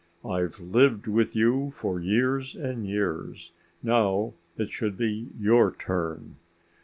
"I've lived with you for years and years. Now it should be your turn."